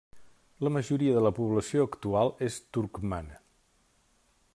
La majoria de la població actual és turcmana.